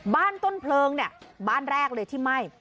ต้นเพลิงเนี่ยบ้านแรกเลยที่ไหม้